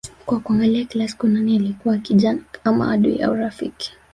kwa kuangalia kila siku nani alikuwa akija ama adui au rafiki